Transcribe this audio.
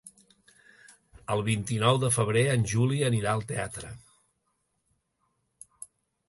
El vint-i-nou de febrer en Juli anirà al teatre.